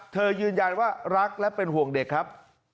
ยืนยันว่ารักและเป็นห่วงเด็กครับ